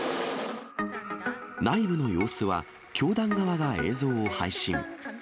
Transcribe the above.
内部の様子は、教団側が映像を配信。